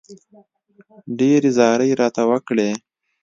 ډېرې زارۍ راته وکړې.